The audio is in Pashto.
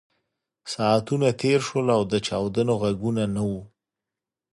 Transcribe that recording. ساعتونه تېر شول او د چاودنو غږونه نه وو